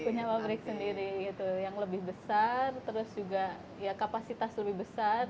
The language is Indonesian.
punya pabrik sendiri gitu yang lebih besar terus juga ya kapasitas lebih besar